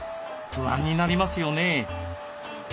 不安になりますよね。